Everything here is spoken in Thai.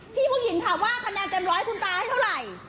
ผู้หญิงถามว่าคะแนนเต็มร้อยคุณตาให้เท่าไหร่